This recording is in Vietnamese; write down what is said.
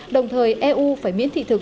đồng thời eu phải miễn thị thực